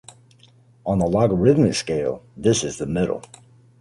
On the logarithmic scale, this is the middle.